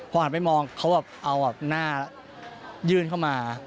พอหันไปมองเขาแบบเอาหน้ายื่นเข้ามา